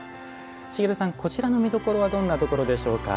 茂さん、こちらの見どころはどんなところでしょうか？